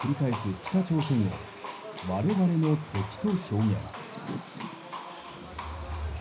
北朝鮮を我々の敵と表現。